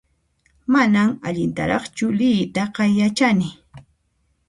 Manan allintaraqchu liyiytaqa yachani